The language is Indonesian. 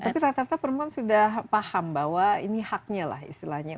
tapi rata rata perempuan sudah paham bahwa ini haknya lah istilahnya